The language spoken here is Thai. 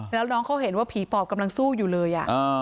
แล้วน้องเขาเห็นว่าผีปอบกำลังสู้อยู่เลย